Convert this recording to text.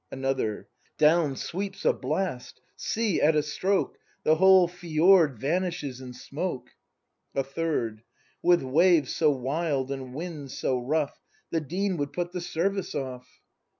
Another, Down sweeps a blast! See, at a stroke The whole fjord vanishes in smoke! A Third. With waves so wild and wind so rough. The Dean would put the service off.